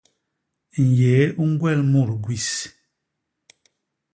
Nyéé u ñgwel mut gwis.